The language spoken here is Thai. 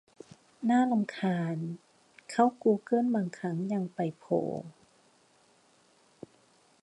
น่ารำคาญ เข้ากูเกิ้ลบางครั้งยังไปโผล่